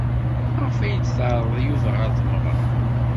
Maɣef ay d-teɛreḍ Yuba ɣer tmeɣra?